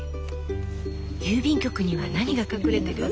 郵便局には何が隠れてる？